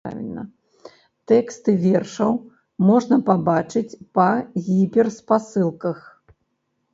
Тэксты вершаў можна пабачыць па гіперспасылках.